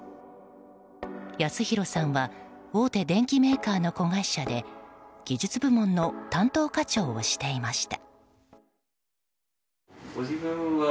康弘さんは大手電機メーカーの子会社で技術部門の担当課長をしていました。